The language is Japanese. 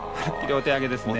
お手上げですね。